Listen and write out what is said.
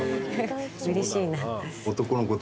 うれしいな。